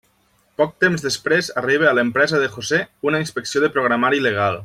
Poc temps després, arriba a l'empresa de José una inspecció de programari legal.